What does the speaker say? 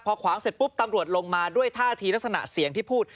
พอขวางเสร็จปุ๊บตำรวจลงมาด้วยท่าทีลักษณะเสียงที่พูด